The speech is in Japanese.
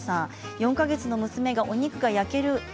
４か月の娘がお肉が焼ける